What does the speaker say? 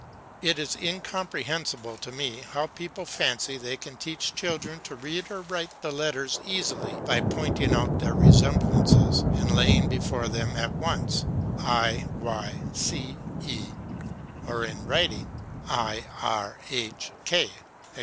It is incomprehensible to me, how people fancy they can teach children to read or write the letters easily by point ing out their resemblances, and laying before them at once i y, c e, or, in writing, i r, h h, &c.